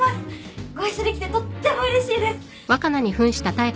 ご一緒できてとってもうれしいです。